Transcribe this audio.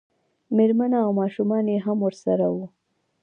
مېرمنه او ماشومان یې هم ورسره وو.